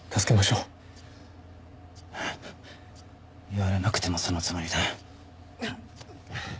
言われなくてもそのつもりだ。